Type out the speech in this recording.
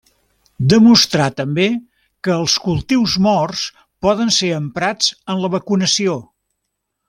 Demostrà també que els cultius morts poden ser emprats en la vacunació.